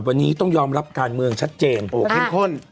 วันนี้ต้องยอมรับการเมืองชัดเจน